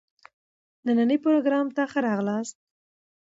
نني پروګرام ته ښه راغلاست.